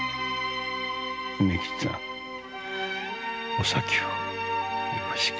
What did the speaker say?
お咲をよろしく。